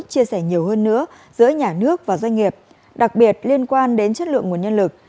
chia sẻ nhiều hơn nữa giữa nhà nước và doanh nghiệp đặc biệt liên quan đến chất lượng nguồn nhân lực